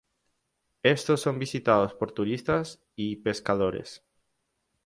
Estos son visitados por turistas y pescadores.